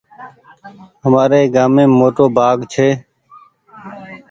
همآري گھاميم موٽو بآگ ڇي